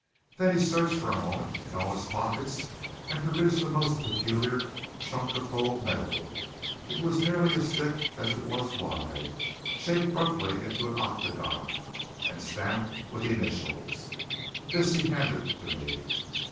Then he searched for a moment in all his pockets, and produced a most peculiar chunk of gold metal. It was nearly as thick as it was wide, shaped roughly into an octagon, and stamped with initials. This he handed to me.